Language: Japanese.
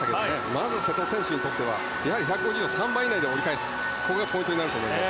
まず瀬戸選手にとっては１５０を３番以内で折り返すことがポイントになると思います。